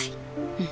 うん。